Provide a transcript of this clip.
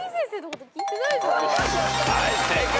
はい正解。